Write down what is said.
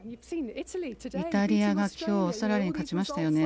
イタリアが今日オーストラリアに勝ちましたね。